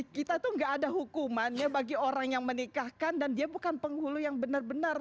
kita tuh gak ada hukumannya bagi orang yang menikahkan dan dia bukan penghulu yang benar benar